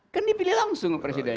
kan dipilih langsung presidennya